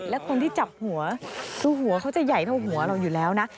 และคนที่จับหัวคือหัวเขาจะใหญ่เท่าหัวเราอยู่แล้วนะ